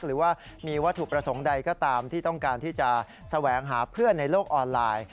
หรือว่ามีวัตถุประสงค์ใดก็ตามที่ต้องการที่จะแสวงหาเพื่อนในโลกออนไลน์